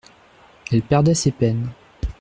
Elle perdait ses peines.